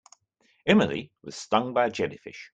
Emily was stung by a jellyfish.